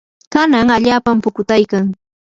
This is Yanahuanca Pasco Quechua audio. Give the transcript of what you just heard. kanan allaapam pukutaykan.